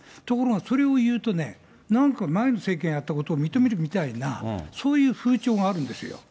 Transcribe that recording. ところが、それを言うとね、なんか前の政権がやったことを認めるみたいな、そういう風潮があるんですよ。